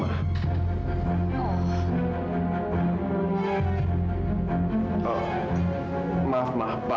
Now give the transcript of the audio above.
maksudnya dari teman kuliah fadil ma